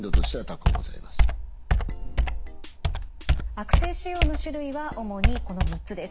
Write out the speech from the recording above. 悪性腫瘍の種類は主にこの６つです。